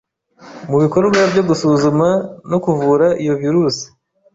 mu bikorwa byo gusuzuma no kuvura iyo virusi